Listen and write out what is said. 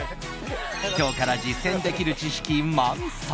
今日から実践できる知識満載！